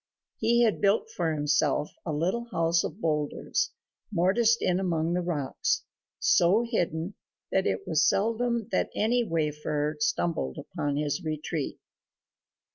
He had built for himself a little house of boulders mortised in among the rocks, so hidden that it was seldom that any wayfarer stumbled upon his retreat.